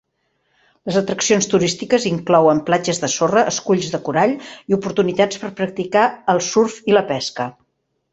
Les atraccions turístiques inclouen platges de sorra, esculls de corall i oportunitats per practicar el surf i la pesca.